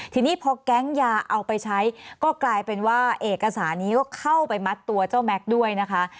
ทีนี้พอแก๊งยาเอาไปใช้ก็กลายเป็นว่าเอกสารนี้ก็เข้าไปมัดตัวเจ้าแม็กซ์ด้วยนะคะ